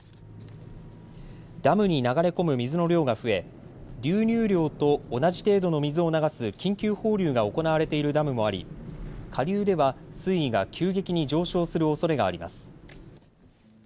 ダムに流れ込む水の量が増え流入量と同じ程度の水を流す緊急放流が行われているダムもあり、下流では水位が急激に上昇するおそれがあります。